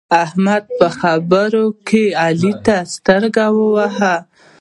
احمد په خبرو کې علي ته سترګه ووهله.